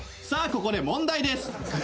さあここで問題です！